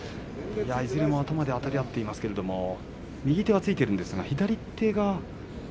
いずれも頭であたり合っていますけれども右手はついていますが左手は。